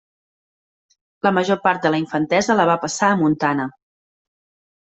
La major part de la infantesa la va passar a Montana.